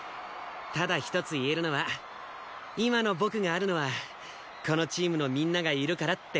ただ一つ言えるのは今の僕があるのはこのチームのみんながいるからって事だけっすね。